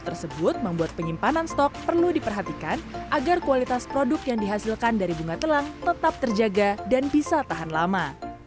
tersebut membuat penyimpanan stok perlu diperhatikan agar kualitas produk yang dihasilkan dari bunga telang tetap terjaga dan bisa tahan lama